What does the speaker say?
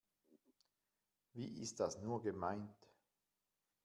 Wie ist das nur gemeint?